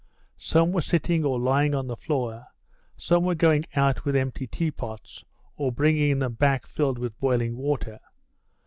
Some were sitting or lying on the floor, some were going out with empty teapots, or bringing them back filled with boiling water.